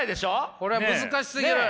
これは難しすぎる！